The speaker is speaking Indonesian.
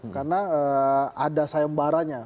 karena ada sayembaranya